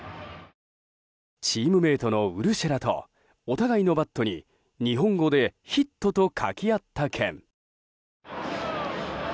チームメートのウルシェラとお互いのバットに日本語でヒットと書き合った件。